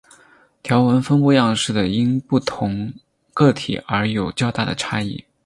条纹分布样式的因不同个体而有较大的差异。